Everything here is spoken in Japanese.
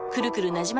なじま